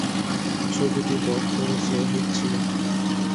ছবিটি বক্স অফিসে হিট ছিল।